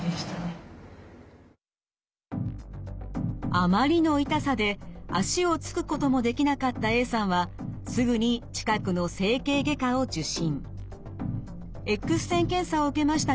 あまりの痛さで足を着くこともできなかったＡさんはすぐに近くの整形外科を受診。